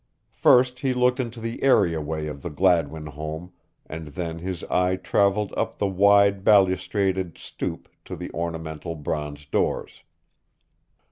First he looked into the areaway of the Gladwin home and then his eye travelled up the wide balustraded stoop to the ornamental bronze doors.